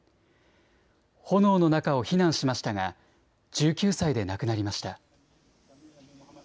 炎の中を避難しましたが、１９歳で亡くなりました。